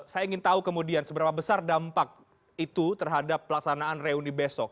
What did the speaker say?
saya ingin tahu kemudian seberapa besar dampak itu terhadap pelaksanaan reuni besok